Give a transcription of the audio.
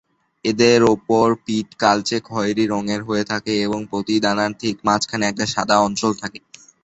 এদের ওপর-পিঠ কালচে খয়েরি রঙের হয়ে থাকে এবং প্রতি ডানার ঠিক মাঝখানে একটা সাদা অঞ্চল থাকে।